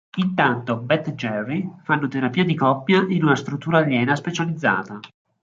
Intanto Beth e Jerry fanno terapia di coppia in una struttura aliena specializzata.